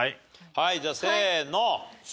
はいじゃあせーの。